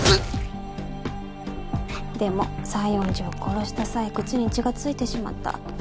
でも西園寺を殺した際靴に血が付いてしまった。